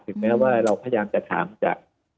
แม้ว่าเราพยายามจะถามจาก